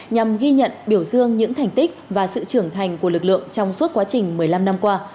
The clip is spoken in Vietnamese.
nhằm ghi nhận biểu dương những thành tích và sự trưởng thành của lực lượng trong suốt quá trình một mươi năm năm qua